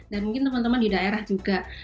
dan mungkin teman teman di daerah juga